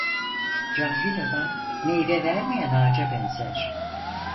Cahil adam meyve vermeyen ağaca benzer.